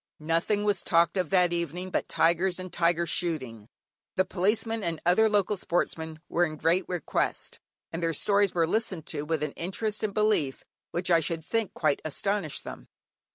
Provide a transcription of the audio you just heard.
Nothing was talked of that evening but tigers and tiger shooting. The Policeman and other local sportsmen were in great request, and their stories were listened to with an interest and belief which I should think quite astonished them.